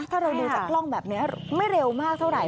ถ้าเราดูจากกล้องแบบนี้ไม่เร็วมากเท่าไหร